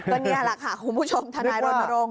ก็นี่แหละค่ะคุณผู้ชมธนารนต์ประรง